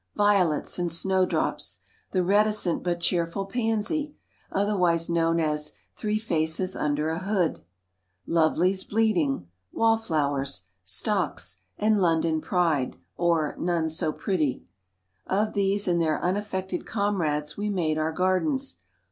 Violets and snowdrops, the reticent but cheerful pansy, otherwise known as " three faces under a hood," love lies bleeding, wallflowers, stocks, and London pride, or " none so pretty "; of these and their unaffected comrades we made our gardens.